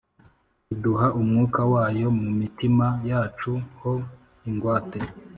iduha Umwuk wayo mu mitima yacu ho ingwate.